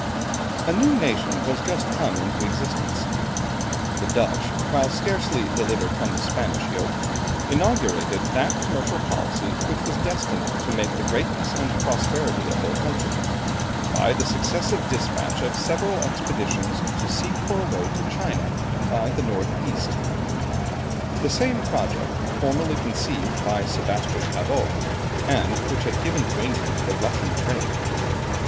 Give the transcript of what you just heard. A new nation was just come into existence. The Dutch while scarcely delivered from the Spanish yoke, inaugurated that commercial policy, which was destined to make the greatness and prosperity of their country, by the successive despatch of several expeditions to seek for a way to China by the north east; the same project formerly conceived by Sebastian Cabot, and which had given to England the Russian trade.